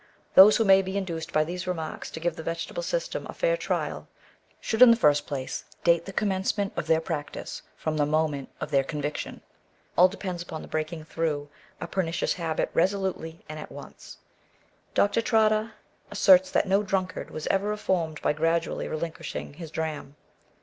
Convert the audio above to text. Those who may be induced by these remarks to give the vegetable system a fair trial, should, in the first place, date the commencement of their practice from the moment of their conviction. All depends upon the breaking through a pernicious habit resolutely and at once. Dr. Trotter* asserts that no drunkard was ever reformed by gradually relinquishing his dram.